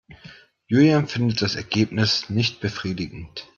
Julian findet das Ergebnis nicht befriedigend.